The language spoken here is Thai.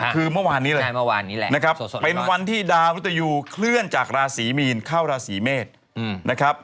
คือเมื่อวานนี้เลยนะครับเป็นวันที่ดาวมุตยูเคลื่อนจากราศีมีนเข้าราศีเมษนะครับ